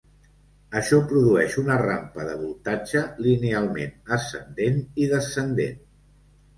Això produeix una rampa de voltatge linealment ascendent i descendent.